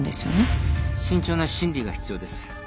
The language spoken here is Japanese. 慎重な審理が必要です。